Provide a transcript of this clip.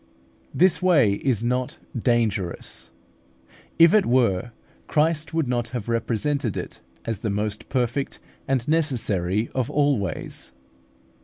This way is not dangerous. If it were, Christ would not have represented it as the most perfect and necessary of all ways.